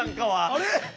あれ？